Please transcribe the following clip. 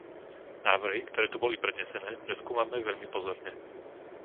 Návrhy, ktoré tu boli prednesené, preskúmame veľmi pozorne.